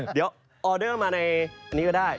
เดี๋ยวออเดอร์มาในนี้ก็ได้